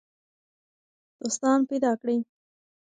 دوستان پیدا کړئ.